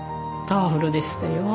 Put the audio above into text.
パワフルでしたよ。